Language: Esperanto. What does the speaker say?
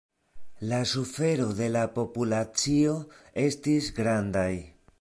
La sufero de la populacio estis grandaj.